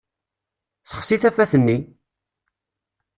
Sexsi tafat-nni!